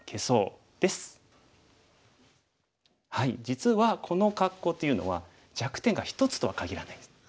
実はこの格好というのは弱点が一つとはかぎらないんです。